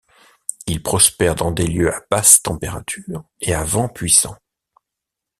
Il prospère dans des lieux à basse températures et à vents puissants.